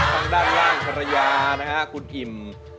ข้างด้านล่างศรยานะครับคุณอิ่ม